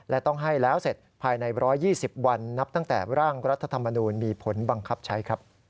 และต้องให้แล้วเสร็จภายใน๑๒๐วันนับตั้งแต่ร่างรัฐธรรมนูลมีผลบังคับใช้